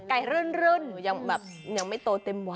ไก่รื่นยังไม่โตเต็มวัน